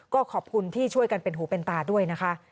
ก็ขอบคุณที่ช่วยกันเป็นหูเป็นตาด้วยนะคะ